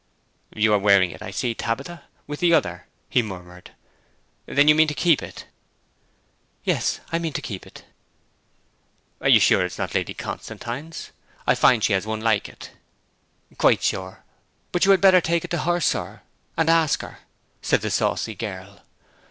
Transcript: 'You are wearing it, I see, Tabitha, with the other,' he murmured. 'Then you mean to keep it?' 'Yes, I mean to keep it.' 'You are sure it is not Lady Constantine's? I find she has one like it.' 'Quite sure. But you had better take it to her, sir, and ask her,' said the saucy girl.